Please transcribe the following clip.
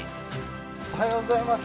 おはようございます。